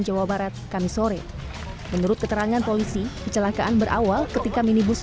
jawa barat kami sore menurut keterangan polisi kecelakaan berawal ketika minibus